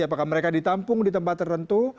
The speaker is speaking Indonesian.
apakah mereka ditampung di tempat tertentu